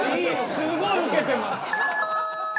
すごいウケてます。